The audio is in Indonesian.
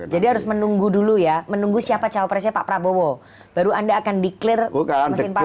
jadi harus menunggu dulu ya menunggu siapa cowok presnya pak prabowo baru anda akan declare mesin partai